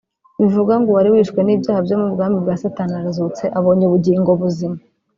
Bivuga ngo uwari wishwe n’ibyaha byo mu bwami bwa Satani arazutse abonye ubugingo buzima